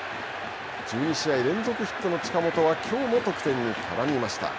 １２試合連続ヒットの近本はきょうも得点に絡みました。